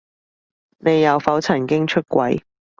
你有否曾經出軌？